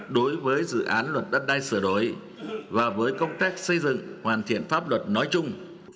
đối với dự án luật đất đai sửa đổi và với công tác xây dựng hoàn thiện pháp luật nói chung